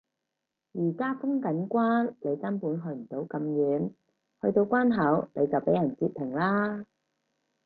而家封緊關你根本去唔到咁遠，去到關口你就畀人截停啦